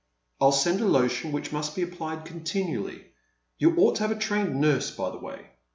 I'U send a lotion, which must be applied con tinually. You ought to have a trained nurse, by the way."